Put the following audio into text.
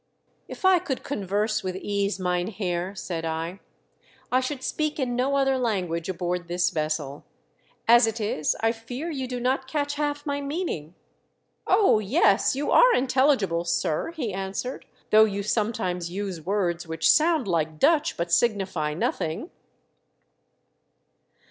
" If I could converse with ease, mynheer," said I, " I should speak in no other language aboard this vessel. As it is, I fear you do not catch half my meaning." " Oh, yes ! you are intelligible, sir," he answered, "though you sometimes use words which sound like Dutch but signify nothing."